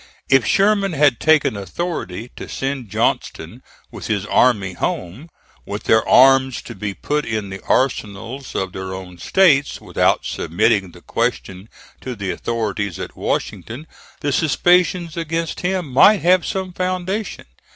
If Sherman had taken authority to send Johnston with his army home, with their arms to be put in the arsenals of their own States, without submitting the question to the authorities at Washington, the suspicions against him might have some foundation.